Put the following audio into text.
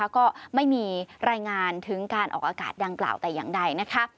ก็ไม่มีรายงานถึงการออกอากาศดังกล่าวแต่อย่างใดนะคะ